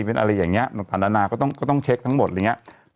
เป็นอะไรอย่างนี้พันธนาก็ต้องเช็คทั้งหมดอะไรอย่างนี้